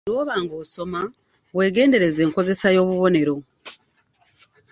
Buli lwoba ng’osoma, weegendereze enkozesa y’obubonero.